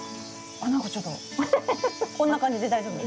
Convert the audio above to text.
あっ何かちょっとこんな感じで大丈夫ですか？